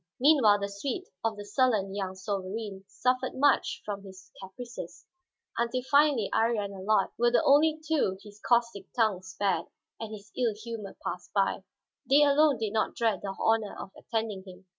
Meanwhile the suite of the sullen young sovereign suffered much from his caprices; until finally Iría and Allard were the only two his caustic tongue spared and his ill humor passed by. They alone did not dread the honor of attending him.